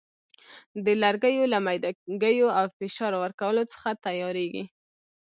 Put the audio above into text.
د لرګیو له میده ګیو او فشار ورکولو څخه تیاریږي.